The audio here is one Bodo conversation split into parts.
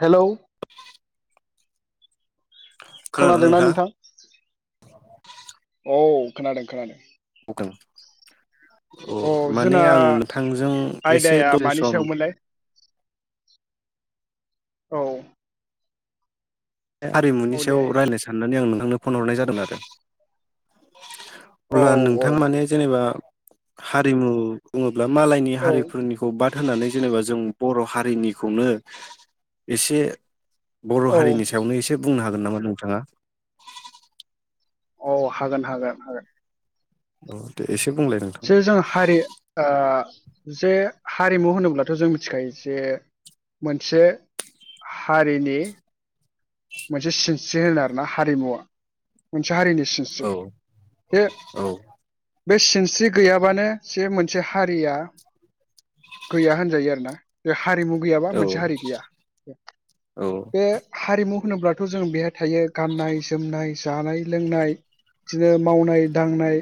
हेलौ खोनादोंना नोंथां? औ खोनादों खोनादों। [unintelligible] अ औ माने जोंना आं नोथांजों एसे आयदाया दसे मानि सम सायावमोनलाय औ हारिमुनि औ सायाव दे रायलाय साननानै आं नों आंनो फन हरनाय जादोन आरो औ अब्ला औ नोंथां माने जेनेबा हारिमु बुङो। ब्ला मालायनि औ हारिफोरनिखौ बाद होननानै जेनेबा जों बर' हारिनिखौनो एसे बर औ हारिनि सायावनो एसे बुंनो हागौ । [unintelligible] नामा नोंथाङा? अ हागोन हागोन हागोन । औे दे एसे बुंलाय नोंथां जे जों हारि ओ जे हारिमु होनोब्लाथ जों मिथिखायो जे मोनसे हारिनि मोनसे सिनस्रि होनो आरोना हारिमुवा मोनसे हारिनि सिनस्रि औ बे औ बे सिनस्रि गैयाबानो जे मोनसे हारिया गैया होनजायो आरो ना। हारिमु गैयाबा औ मोनसे हारि गैया औ बे हारिमु होनोब्लाथ जों बेहाय थायो गाननाय जोमनाय जानाय लोंनाय बिदिनो मावनाय दांनाय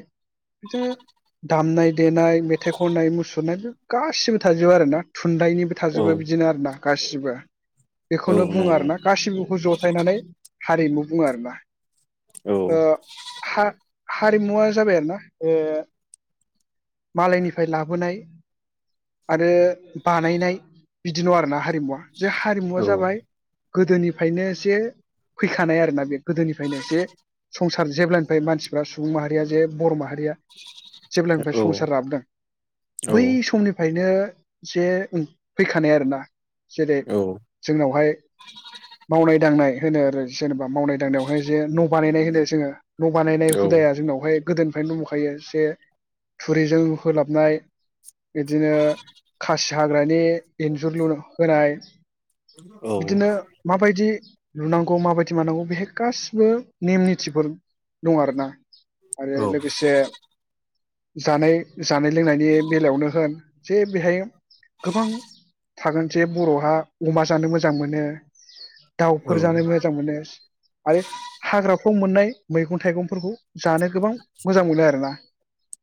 दामनाय देनाय मेथाइ खननाय मुसुरनाय बे गासिबो थाजोबो आरो ना । खुन्दाइनिबो औ थाजोबो बिदिनो आरो ना गासैबो औ बेखौनो बुङो नंगौ आरोना गासिबोखौ ज फायनानै हारिमु बुङो आरोना औ ओ हा हारिमुवा जाबाय आरोना ओ मालायनिफाय लाबोनाय आरो बानायनाय बिदि नङा आरोना हा मुवा जे हारिमुवा औ जाबाय गोदोनिफ्रायनो से फैखानाय आरोना बे गोदोनिफायनो जे संसार जेब्लानिफ्राय मानसिफ्रा सुबुं माहारिया जे बर माहा रिया जेब्लानिफाय औ संसार जाबदों औ बै समनिफाय नो जे फैखानाय आरोना जेरै जोंनावहाय मावनाय दांनाय होनो आरो जेने बा मावनाय‌ दांनायावहाय जे न' बानायनाय होनो दे जोङो न बानायनाय हुदाया जोंनावहाय गोदोनिफायनो दंबोखायो जे थुरिजों होलाबनाय, बिदिनो खासि हाग्रानि इन्जुर लु होनाय। औ बिदिनो माबायदि लुनांगौ माबायदि मानांगौ बेहाय गासिबो नेम निथिफोर दं आरोना। आरो औ लोगोसे जानाय जानाय लोंनायनि बेलायावनो होन जे बेहाय गोबां थागोन जे बर'हा अमा जानो मोजां मोनो। दाउफोर जानो मोजां मोनो आरो हाग्रा खौ मोननाय मैगं थाइगंफोरखौ जानो गोबां मोजां मोनो आरो ना।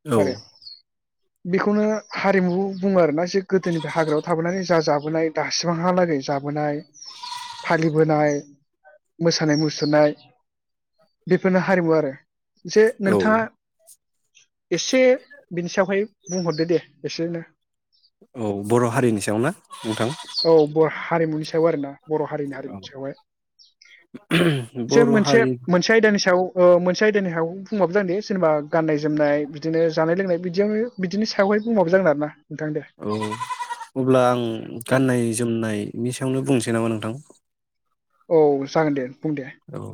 औ बेखौनो हारिमु बुङो आरोना जे गोदोनिफ्राय हाग्रायाव थाबोनानै जा जाबोनाय दासिमाहालागै जा बोनाय, फालि मोसानाय मुसुरनाय बेफोरनो हारिमु आरो। जे औ नोंथाङा [inaudible] एसे बिनि सावहाय बुंहरदो दे एसेनो औ बर' हारिनि सायाव ना नोंथां औ बर हारिमुनि सायाव आरो ना। बर' हारिनि हारि जेन बर' मोनसे हारि मोनसे आयदानि सायाव ओ मोनसे आयदानि सायाव बुंबाबो जागोन दे जेनेबा गाननाय-जोमनाय बिदिनो जानायलोंनाय बिदियावनो बिदिनि सायावहाय बुंबाबो जागोन आरो आरोना। नोंथां दे औ अब्ला आं औ गाननाय-जोमनाय बिनि सायावनो बुंनोसै नामा नोंथां? औ जागोन दे। बुं दे औ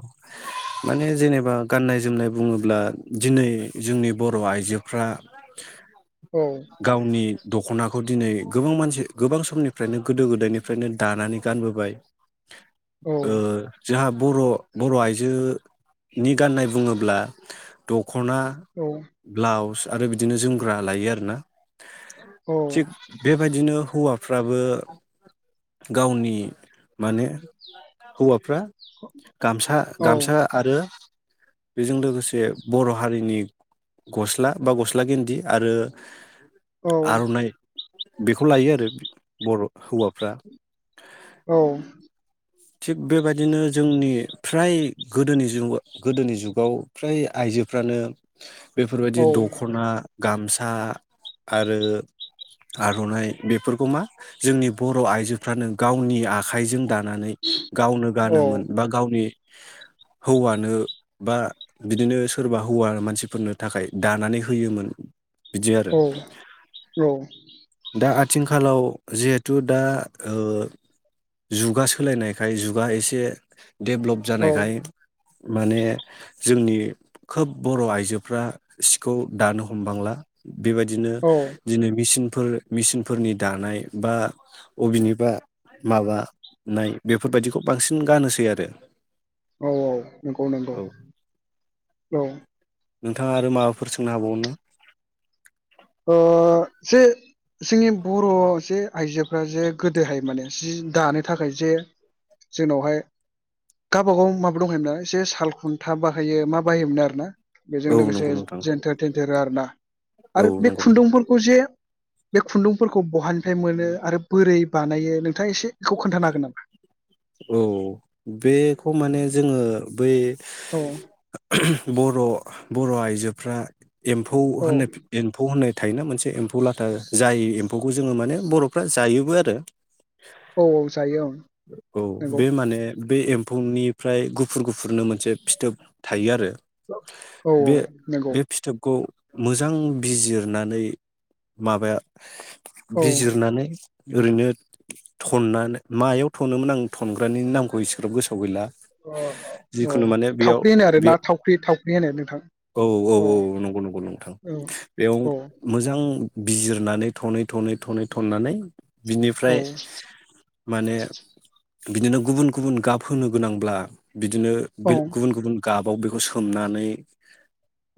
माने जेनेबा गाननाय जोमनाय बुङोब्ला दिनै जोंनि बर' आइजोफ्रा औ गावनि दखना खौ दिनै गोबां मानसि गोबां समनिफ्रायनो गोदो गोदायनिफ्रायनो दानानै गानबोबाय। औ ओ जोहा बर' बर' आइजोनि गाननाय बुङोब्ला द खना, औ ब्लाउस आरो बिदिनो जोमग्रा लायो आरोना औ थिग बे बायदिनो हौवाफ्राबो गावनि माने हौवा फ्रा गामसा औ गामसा आरो बेजों लोगोसे बर' हारिनि गस्ला बा गस्ला गेन्दि आरो औ आरनाइ बेखौ लायोआरो बर' हौवाफ्रा। औ थिग बेबायदिनो जोंनि फ्राय गोदोनि जुग गोदोनि जुगाव फ्राय आइजोफ्रानो बेफोर बायदि औ दखना गामसा आरो आरनाइ बेफोरखौ मा जोंनि बर' आइजोफ्रानो गावनि आखाइजों दाना गावनो गानोमोन बा गावनि हौवानो बा बिदिनो सोरबा हौवा मानसिफोरनो थाखाय दानानै होयोमोन। बिदि आरो दा आथि [unintelligible] खालाव जिहेथु दा ओ जुगा सोलायनाय [unintelligible] जुगा एसे डेभलप जानायखाय माने जोंनि खोब बर' आइजोफ्रा सिखौ दानो हमबांला बेबायदिनो औ दिनै बेसिन फोर मेचिनफोरनि दानाय बा अबेनिबा माबानाय बेफोरबायदिखौ बांसिन गानोसै आरो। औ औ नंगौ नंगौ औ औ नोंथाङा आरो माबाफोर सोंनो हाबावोन ना अ जे जोंनि बर जे आइजोफ्रा जे गोदोहाय माने जि दानो थाखाय जे जोंनावहाय गाबागाव माबा दंखायोमोन ना एसे साल खुन्था बाहायो मा बाहायोमोन आरो ना बेजों औ लोगोसे नंगौ नोंथां जेनथेर थेनथेरो आरो ना। औ आरो बे नंगौ नंगौ खुन्दुंफोरखौ जे बे खुन्दुंफोरखौ बहानिफ्राय मोनो आरो बोरै बानायो नों औ बेखौ माने जोङो बै औ बर बर आइजोफ्रा एम्फौ औ होन एम्फौ होनाय थायोना मोनसे एम्फौ लाथा जाय एम्फौखौ जोङो माने बरफ्रा जायोबो आरो औ औ जायो ओं औ बे नोंगौ। माने बे एम्फौनिफ्राय गुफुर गुफुरनो मोनसे फिथोब थायो आरो औ औ बे नंगौ बे फिथोबखौ मोजां बिजिरनानै माबाया औ बिजिरनानै ओरैनो थननानै मायाव थनोमोन आं थनग्रानि नामखौ इसिग्राब गोसोआव गैला अ अ औ जिखुनु माने बेयाव थावख्रि होनो आरो बे ना थावख्रि थाव बे होनो नोंथां औ औ औ नंगौ नंगौ नोंथां औ बेयाव औ मोजां बिजिरनानै थनै थनै थनै थननानै बिनिफ्राय औ माने बिदिनो गुबुन गुबुन गाब होनो गोनांब्ला बिदिनो औ बिल गुबुन गुबुन गाबाव बेखौ सोमनानै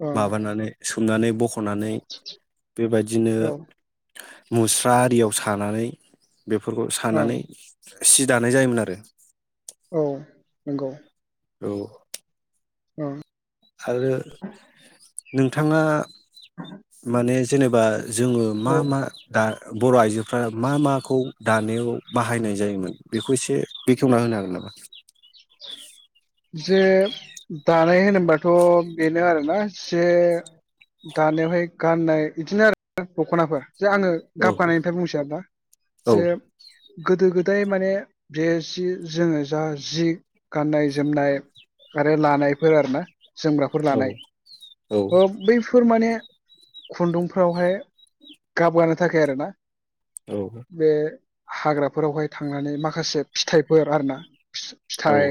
औ माबानानै सोमनानै ब हनानै बेबायदिनो औ मुस्रा आरियाव सानानै बेफोरखौ औ सानानै सि दानाय जायोमोन आरो। औ नंगौ औ [unintelligible] ओं आरो नोंथाङा माने जेनेबा जोङो मा औ मा दा बर' आइजोफ्रा मा माखौ दानायाव बाहायनाय जायोमोन बेखौ एसे बेखेवना होनो हागोन नामा? जे दानाय होनोबाथ बेनो आरोना जे दानायावहाय गाननाय बिदिनो आरो दखनाफोर जे आङो औ गाबगानायनिफ्राय बुंसै आरो ना औ जे गोदो गोदाय माने बे जि जोङो जा जि गाननाय जोमनाय आरो लानायफोर आरो ना जोमग्राफोर औ लानाय औ ओ बैफोर माने खुन्दुंफ्रावहाय गाबगानो थाखाय आरो ना बे हाग्राफोरावहाय थांनानै माखासे फिथाइफोर आरो ना औ फिथाइ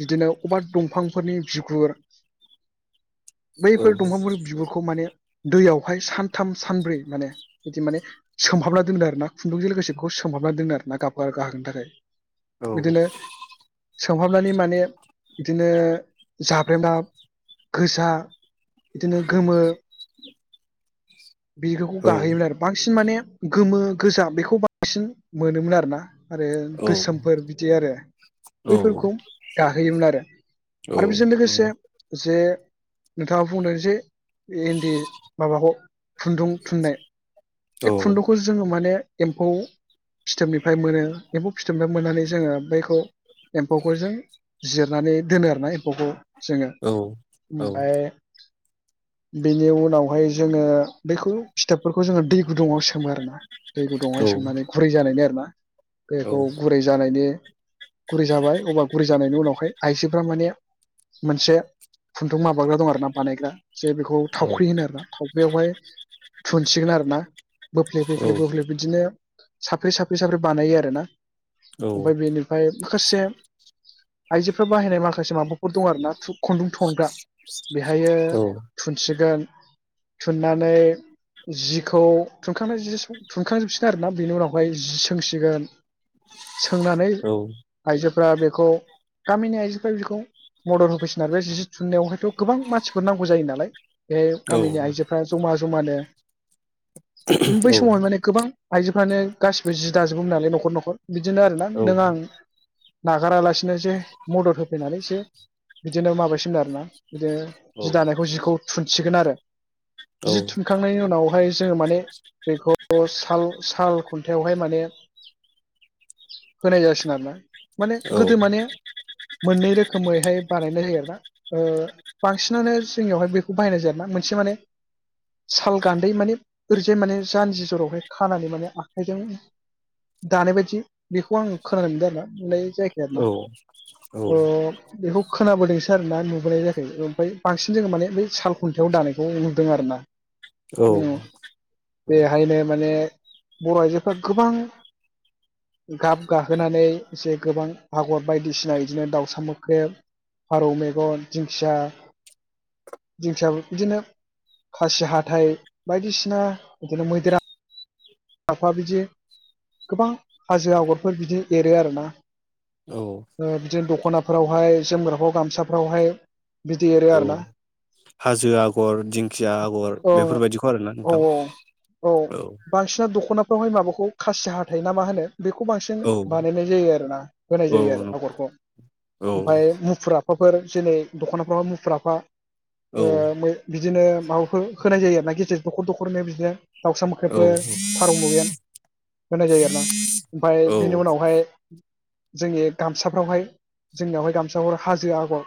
बिदिनो अबबा दंफांफोरनि बिगुर बैफोर दंफांफोरनि बिबुरखौ माने दैयावहाय सानथाम सानब्रै माने बिदि माने सोमहाबना दोनदो आरो ना खुन्दुंजों लोगोसे खौ सोमहाबना दोना आरो ना गाब गा गाहोनो थाखाय। औ बिदिनो सोमहाबनानै माने बिदिनो जाब्रेना गोजा बिदिनो गोमो बिगोखौ औ गाहोयोमोन आरो बांसिन माने गोमो गोजा बेखौ बांसिन मोनोमोन आरो ना आरो औ गोसोमफोर बिदि आरो औ बैफोरखौ गाहोयोमोन आरो आरो बेजों लोगोसे नंगौ जे नोंथाङा बुंदों जे इन्दि माबाखौ खुन्दुं थुननाय औ ज औ खुन्दुंखौ जोङो माने एम्फौ फिथोबनिफ्राय मोनो एम्फौ फिथोबनिफ्राय मोननानै जोङो बैखौ एम्फौखौ जों जिरनानै दोनो आरोना एम्फौखौ। जोङो औ औ ओमफ्राय बेनि उनावहाय जोङो बैखौ फिथाबफोरखौ जोङो दै गुदुंआव सोमो आरोना दै गुदुंआवहाय सोमनानै गुरै जानायनि आरो ना बैखौ गुरै जानायनि गुरै जाबाय अब्ला गुरै जानायनि उनावहाय आइजोफ्रा माने मोनसे खुन्दुं माबाग्रा दं आर ना बानायग्रा जे बेखौ थावख्रि होनो आरो ना थावख्रियावहाय थुनसिगोन आरोना बोफ्ले बोफ्ले औ बोफ्ले बिदिनो साफ्रे साफ्रे साफ्रे बानायो आरोना ओमफ्राय बेनिफ्राय माखासे आइजोफ्रा बाहायनाय माखासे माबाफोर दं आरोना खुन्दुं थनग्रा बेहायो थुनसिगोन थुननानै जिखौ थुनखांनाय जि थुनखांजोबसिगोन आरोना बेनि उनावहाय जि सोंसिगोन सोंनानै आइजो फ्रा बेखौ गामिनि आइजोफ्रा बेखौ मदद होफैसिगोन आरो बे जि थुननायावहायथ' गोबां मानसिफोर नांगौ जायो नालाय बे गामिनि आइजोफ्रा जमा जुमादो बै समाव माने गोबां आइजोफ्रानो गासिबो जि दाजोबोमोन नालाय न'खर न'खर। बिदिनो आरोना नों आं नागारालासिनो जे मदद होफैनानै सो बिदिनो माबासिम आरोना बिदिनो जि दानायखौ जिखौ थुनसिगोन आरो । जि थुनखांनायनि उनावहाय जोङो माने बेखौ साल साल खुन्थायावहाय माने होनाय जासिगोन आरो ना। माने गोदो माने मोननै रोखोमैहाय बानायनाय जायो आरो ना ओ बांसिनानो जोंनियावहाय बेखौ बाहायनाय जायो आरो ना मोनसे माने साल गान्दै माने ओरैजाय माने जानजि जरावहाय खानानै माने आखाइजों दानाय बायदि बेखौ आं खोनानो मोनदों आरो ना ओमफ्राय [inaudible] ओ बेखौ खोनाबोदोंसो आरो ना नुबोनाय जायाखै ओमफाय बांसिन जोङो माने बै साल खुन्थायाव दानायखौ नु दों आरो ना उम बेहायनो माने बर' आइजोफोर गोबां गाब गाहोनानै एसे गोबां आगर बायदिसिना इदिनो दाउसा मोख्रेब फारौ मेगन दिंखिया दिंखिया बिदिनो खासि हाथाइ बायदिसिना बिदिनो मैदेर आ आफा बिदि गोबां हाजो आगरफोर बिदि एरो आरोना। औ ओ बिदिनो द खनाफ्रावहाय जोमग्राफ्राव गामसाफ्रावहाय बिदि एरो औ आरोना हाजो आगर दिंखिया आगर औ बेफोरबायदिखौ आरोना औ नोंथां औ बांसिना दख'नाफ्रावहाय माबाखौ खासि हाथाय ना‌‌ मा होनो? बेखौ बांसिन औ बानायनाय जायो आरो ना होनाय औ जायो आरो आगरखौ औ ओमफाय मुफुरा अखाफोर जेरै दख'नाफ्राव मुफुर आफा ओ मै बि बिदिनो दाउफोर होनाय जायो आरो ना गेजेर दख'र दख'रनो बिदिनो दाउसा औ मोख्रेबफोर फारौ मगेन होनाय जायो आरो ना ओमफाय औ बिनि उनावहाय जोंनि गामसाफ्रावहाय जोंनियावहाय गामसाखौर हाजो आगर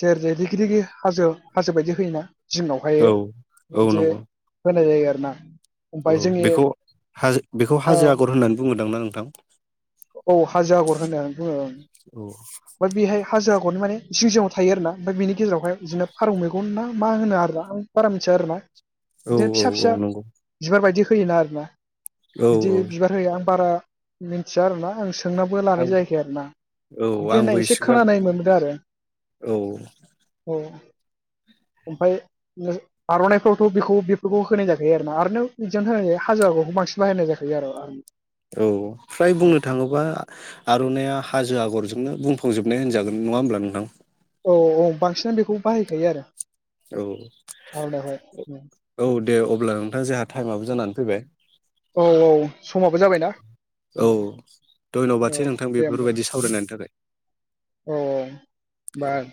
जेर जि रिगि रगि हाजो हाजो बायदि होयोना। जिङावहाय औ औ बिदि नंगौ हो [unintelligible] आरोना ओमफाय औ जोंनि बेखौ हाजो बेखौ हाजो आगर होननानै बुंङोदांना नों [unintelligible] औ हाजो आगर होनो औ बुङो बिहाय हाजो आगरनि माने जिं जिंआव थायो आरोना ओमफ्राय बिनि गेजेरावहाय बिदिनो फारौ मैगन ना मा होनो आरोना आं बारा मिथिया आरो ना औ बिदिनो औ फिसा फिसा औ नंगौ बिबार बायदि फैयोना आरो ना औ बिदि औ बिबार होयो आं बारा मिथिया आरोना आं सोंनाबो लानाय आं जायाखै आरो ना औ [unintelligible] आंबो दिनाय एसे इसिग्राब खोनानाय मोनबोदों आरो औ अ ओमफाय नो आरनाइफोरावथ बेखौ बेफोरखौ होनाय जाखायो आरो ना आरनायाव बिदि [unintelligible] होनाय हाजो आगरखौ बांसिन बाहायनाय जाखायो आरो औ फ्राय बुंनो थाङोबा आ आर'नाइया हाजो आगरजों नोंनो बुंफावजोबनाय होनजागोन नङा होमब्ला नोंथां औ औ बांसिनानो बेखौ बाहायखायो आरो औ आर'नाइयावहाय औ। दे अब्ला नोंथां जोंहा टाइमाबो जानानै फैबाय औ औ समाबो जाबायना। औ औ धन्यबादसै नोंथां दे होमबा बेफोरबायदि सावरायनायनि थाखाय औ औ बार।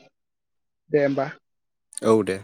दे होमबा। औ दे।